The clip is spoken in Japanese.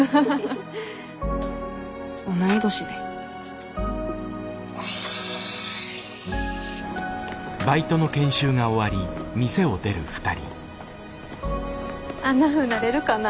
同い年であんなふうになれるかな？